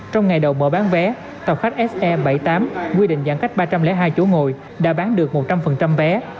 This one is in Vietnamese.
trong ngày đầu mở bán vé tàu khách se bảy mươi tám quy định giãn cách ba trăm linh hai chỗ ngồi đã bán được một trăm linh vé